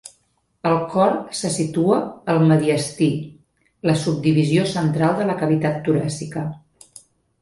El cor se situa al mediastí, la subdivisió central de la cavitat toràcica.